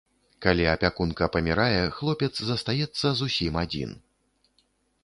Калі апякунка памірае, хлопец застаецца зусім адзін.